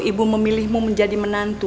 ibu memilihmu menjadi menantu